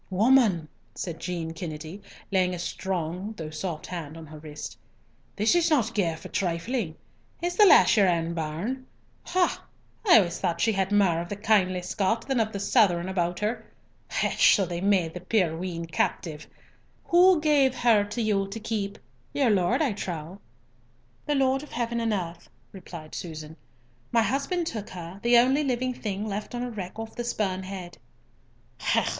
"Woman," said Jean Kennedy, laying a strong, though soft hand, on her wrist, "this is not gear for trifling. Is the lass your ain bairn? Ha! I always thought she had mair of the kindly Scot than of the Southron about her. Hech! so they made the puir wean captive! Wha gave her till you to keep? Your lord, I trow." "The Lord of heaven and earth," replied Susan. "My husband took her, the only living thing left on a wreck off the Spurn Head."